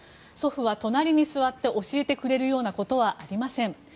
祖父は隣に座って教えてくれるようなことはありません。